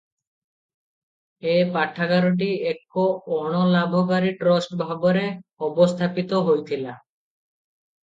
ଏ ପାଠାଗାରଟି ଏକ ଅଣ-ଲାଭକାରୀ ଟ୍ରଷ୍ଟ ଭାବରେ ଅବସ୍ଥାପିତ ହୋଇଥିଲା ।